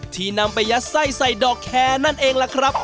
นำไปยัดไส้ใส่ดอกแคร์นั่นเองล่ะครับ